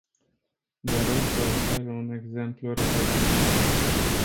Doresc să ofer un exemplu relevant.